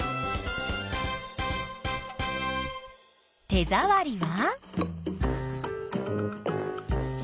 手ざわりは？